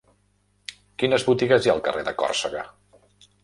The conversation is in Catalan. Quines botigues hi ha al carrer de Còrsega?